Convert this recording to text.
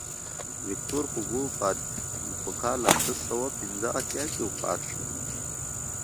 ویکتور هوګو په کال اته سوه پنځه اتیا کې وفات شو.